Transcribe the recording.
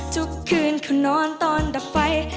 ทุกคืนเขานอนตอนดับไฟ